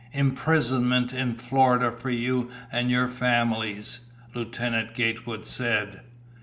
"Imprisonment in Florida for you and your families," Lieutenant Gatewood said.